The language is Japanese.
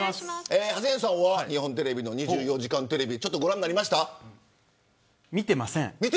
ハセンさんは日本テレビの２４時間テレビ見てません。